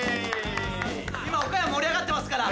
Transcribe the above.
今岡山盛り上がってますから！